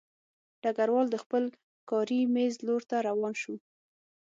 ډګروال د خپل کاري مېز لور ته روان شو